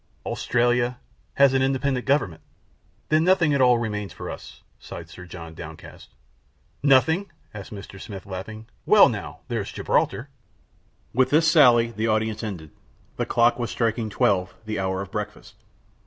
"Australia " "Has an independent government." "Then nothing at all remains for us!" sighed Sir John, downcast. "Nothing?" asked Mr. Smith, laughing. "Well, now, there's Gibraltar!" With this sally the audience ended. The clock was striking twelve, the hour of breakfast.